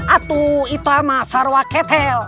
itu sama sarawak ketel